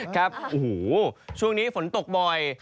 แต่ช่วงนี้ฝนตกบ่อย